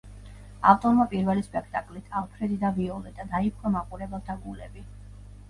ავტორმა პირველი სპექტაკლით „ალფრედი და ვიოლეტა“ დაიპყრო მაყურებელთა გულები.